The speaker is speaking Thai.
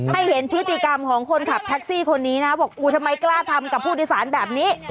เห็นพฤติกรรมของคนขับแท็กซี่คนนี้นะบอกอู้ทำไมกล้าทำกับผู้โดยสารแบบนี้